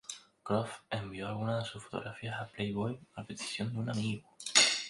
Croft envió algunas de sus fotografías a" Playboy" a petición de un amigo.